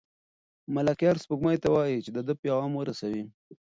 ملکیار سپوږمۍ ته وايي چې د ده پیغام ورسوي.